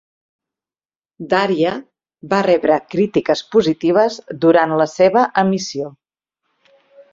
"Daria" va rebre crítiques positives durant la seva emissió.